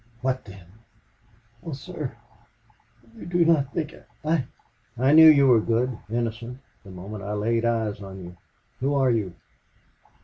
"What then?" "Oh, sir you do not think I " "I knew you were good, innocent the moment I laid eyes on you,... Who are you?"